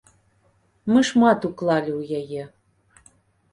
Мы шмат уклалі ў яе.